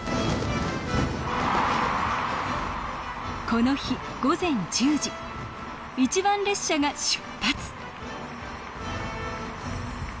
この日午前１０時一番列車が出発